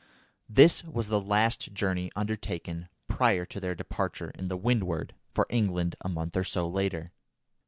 This was the last journey undertaken prior to their departure in the Windward for England a month or so later.